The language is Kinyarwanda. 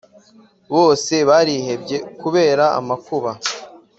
bose barihebye kubera amakuba